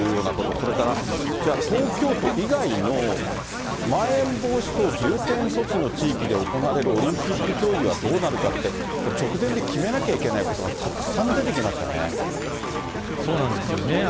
それからじゃあ、東京都以外のまん延防止等重点措置の地域で行われるオリンピック競技はどうなるかって、これ、直前で決めなきゃいけないことがたそうなんですよね。